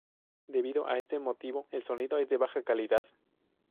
Debido a este motivo el sonido es de baja calidad.